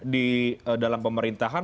di dalam pemerintahan